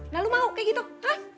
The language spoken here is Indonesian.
nah lo mau kayak gitu hah